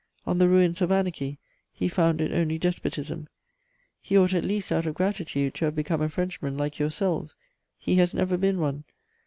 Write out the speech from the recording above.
On the ruins of anarchy he founded only despotism; he ought at least out of gratitude to have become a Frenchman like yourselves: he has never been one.